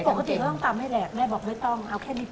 ปกติก็ต้องตำให้แหละแม่บอกไม่ต้องเอาแค่นี้